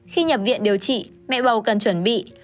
khi nhập viện điều trị mẹ bầu cần chuẩn bị